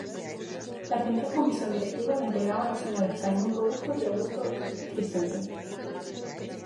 La primera Comisión Directiva la integraban los señores Raimundo Bustos y Augusto Christensen.